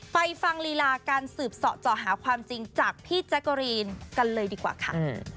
ไปฟังลีลาการสืบเสาะเจาะหาความจริงจากพี่แจ๊กกะรีนกันเลยดีกว่าค่ะ